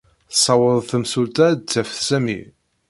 Tessaweḍ temsulta ad d-taf Sami.